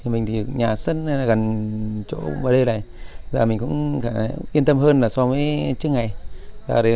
mình thì nhà sân gần chỗ bờ đây này mình cũng yên tâm hơn so với trước ngày